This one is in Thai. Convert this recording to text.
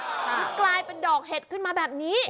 ที่กลายเป็นดอกเห็ดขึ้นมาแบบนี้